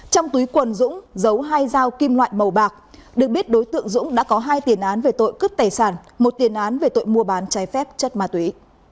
trong túi quần dũng giấu hai dao kim loại màu bạc được biết đối tượng dũng đã có hai tiền án về tội cướp tài sản một tiền án về tội mua bán trái phép chất ma túy